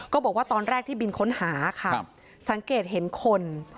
บอกว่าตอนแรกที่บินค้นหาค่ะสังเกตเห็นคน